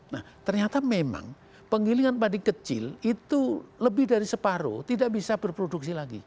nah ternyata memang penggilingan padi kecil itu lebih dari separuh tidak bisa berproduksi lagi